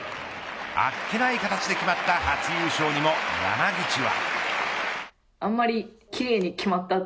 あっけない形で決まった初優勝にも山口は。